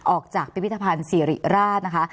ออกจากพิพิธภัณฑ์สิริราชนะคะ